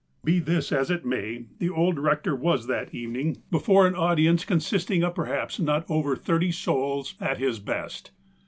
Be this as it may, the old rector was that evening, be 15 16 THE APOSTLE OF ALASKA fore an audience consisting of perhaps not over thirty souls, at his best.